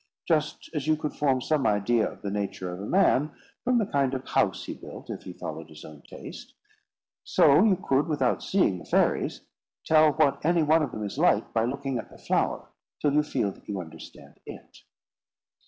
Just as you could form some idea of the nature of a man from the kind of house he built, if he followed his own taste, so you could, without seeing the fairies, tell what any one of them is like, by looking at the flower till you feel that you understand it.